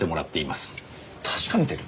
確かめてる？